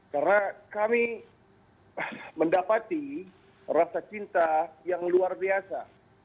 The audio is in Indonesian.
karena kami mendapati rasa cinta yang luar biasa